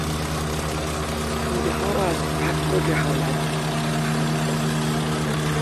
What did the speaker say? تودهها را از فقر و جهالت رهانیدن